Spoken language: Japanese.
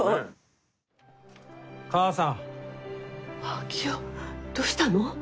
「昭夫どうしたの？」